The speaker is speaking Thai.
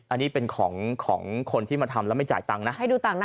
อันนี้เป็นของของคนที่มาทำแล้วไม่จ่ายตังค์นะ